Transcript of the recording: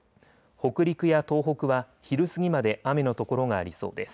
北陸や東北は昼過ぎまで雨の所がありそうです。